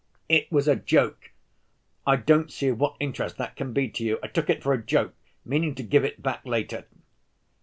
"It was a joke.... I don't see of what interest that can be to you.... I took it for a joke ... meaning to give it back later...."